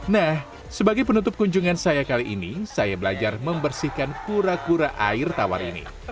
nah sebagai penutup kunjungan saya kali ini saya belajar membersihkan kura kura air tawar ini